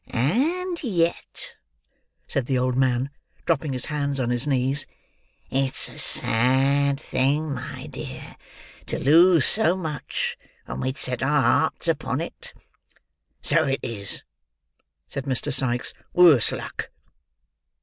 "And yet," said the old man, dropping his hands on his knees, "it's a sad thing, my dear, to lose so much when we had set our hearts upon it." "So it is," said Mr. Sikes. "Worse luck!"